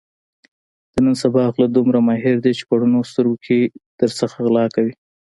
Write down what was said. د نن سبا غله دومره ماهر دي په رڼو سترګو کې درځنې غلا کوي.